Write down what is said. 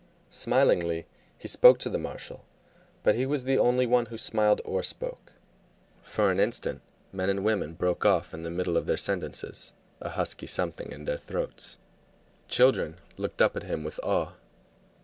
Smilingly he spoke to the marshal, but he was the only one who smiled or spoke. For an instant men and women broke off in the middle of their sentences, a husky something in their throats; children looked up at him with awe.